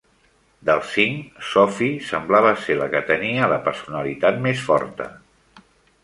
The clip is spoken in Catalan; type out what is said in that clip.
Dels cinc, Sophie semblava ser la que tenia la personalitat més forta.